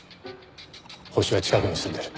ホシは近くに住んでる。